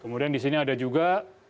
kemudian di sini ada juga